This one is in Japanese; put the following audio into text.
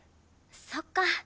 そっか。